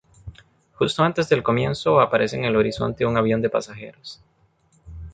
Justo antes del comienzo, aparece en el horizonte un avión de pasajeros.